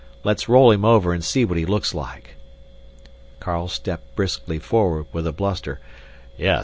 Let's roll him over and see what he looks like." Carl stepped briskly forward, with a bluster, "Yes.